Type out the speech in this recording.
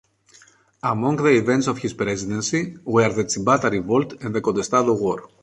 Among the events of his presidency were the Chibata Revolt and the Contestado War.